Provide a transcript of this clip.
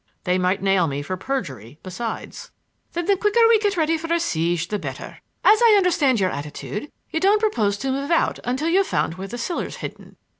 They might nail me for perjury besides." "Then the quicker we get ready for a siege the better. As I understand your attitude, you don't propose to move out until you've found where the siller's hidden.